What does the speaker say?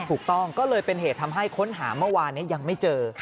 ถูกต้องก็เลยเป็นเหตุทำให้ค้นหาเมื่อวานนี้ยังไม่เจอ